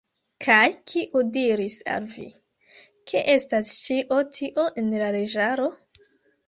Kaj kiu diris al vi, ke estas ĉio tio en la leĝaro?